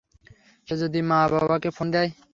সে যদি মা-বাবাকে ফোন দেয়?